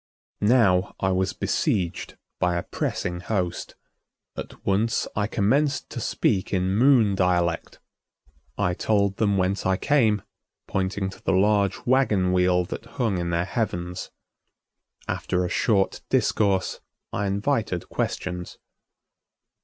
Now I was besieged by a pressing host. At once I commenced to speak in Moon dialect. I told them whence I came, pointing to the large wagon wheel that hung in their heavens. After a short discourse, I invited questions.